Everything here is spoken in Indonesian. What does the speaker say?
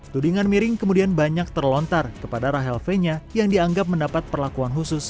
tudingan miring kemudian banyak terlontar kepada rahel fenya yang dianggap mendapat perlakuan khusus